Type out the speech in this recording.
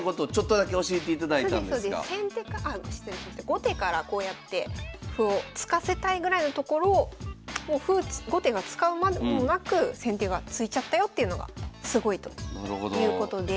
後手からこうやって歩を突かせたいぐらいのところを歩後手が使うまでもなく先手が突いちゃったよっていうのがすごいということで。